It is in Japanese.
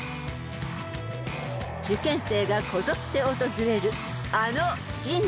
［受験生がこぞって訪れるあの神社］